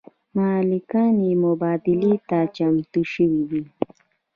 مالکان یې مبادلې ته چمتو شوي دي.